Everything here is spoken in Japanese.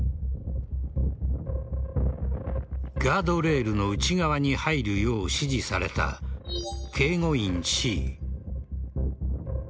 ガードレールの内側に入るよう指示された警護員Ｃ。